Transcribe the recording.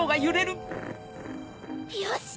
よし！